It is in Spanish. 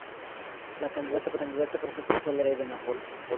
La candidata perfecta fue la hija del virrey de Nápoles.